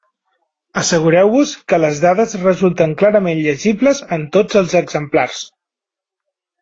Assegureu-vos que les dades resulten clarament llegibles en tots els exemplars.